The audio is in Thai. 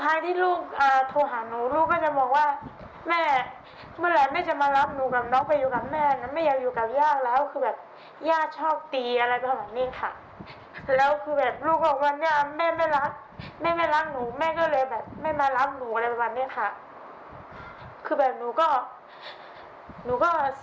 หนูก็เสียใจและหนูก็เสียกลัวรู้สึก